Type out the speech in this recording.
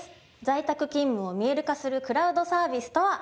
在宅勤務を「見える化」するクラウドサービスとは？